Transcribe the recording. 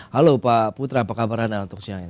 halo pak putra apa kabar anda untuk siang ini